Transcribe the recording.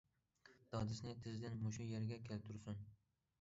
دادىسىنى تېزدىن مۇشۇ يەرگە كەلتۈرسۇن!